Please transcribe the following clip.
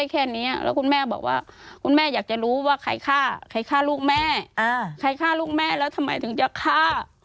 ใครฆ่าใครฆ่าลูกแม่ใครฆ่าลูกแม่แล้วทำไมถึงจะฆ่า